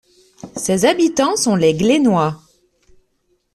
Ses habitants sont les Glennois.